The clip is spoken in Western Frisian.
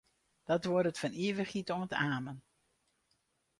Dat duorret fan ivichheid oant amen.